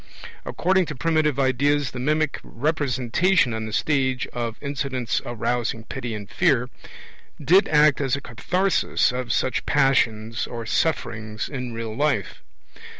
According to primitive ideas, the mimic representation on the stage of 'incidents arousing pity and fear' did act as a katharsis of such 'passions' or 'sufferings' in real life.